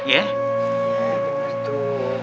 ya benar tuh